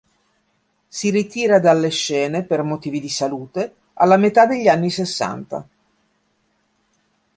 Si ritira dalle scene per motivi di salute alla metà degli anni sessanta.